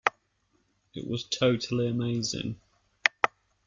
It was totally amazing.